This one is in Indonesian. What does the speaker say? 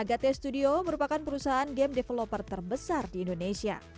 agate studio merupakan perusahaan game developer terbesar di indonesia